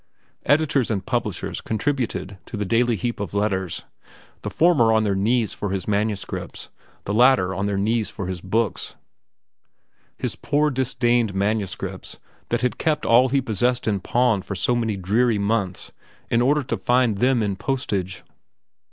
Editors and publishers contributed to the daily heap of letters, the former on their knees for his manuscripts, the latter on their knees for his books—his poor disdained manuscripts that had kept all he possessed in pawn for so many dreary months in order to fund them in postage.